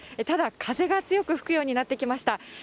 ただ、風が強く吹くようになってきました。